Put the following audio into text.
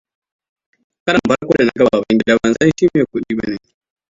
Karon farko da naga Babangida ban san shi mai kudi bane.